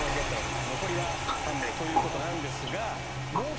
残りは３名ということなんですが。